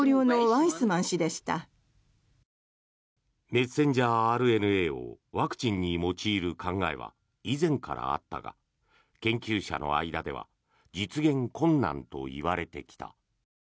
メッセンジャーＲＮＡをワクチンに用いる考えは以前からあったが研究者の間では実現困難といわれてきた。